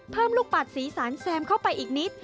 เพิ่มลูกปัดสีสันแซมเข้าไปอีกนิด